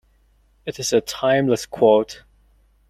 It is a timeless quote.